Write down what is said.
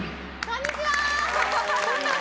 こんにちは。